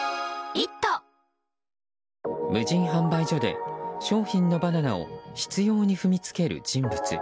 無人販売所で商品のバナナを執拗に踏みつける人物。